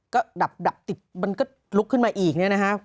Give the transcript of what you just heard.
ก็ดับติดมันก็ลุกขึ้นมาอีกเนี่ยนะฮะ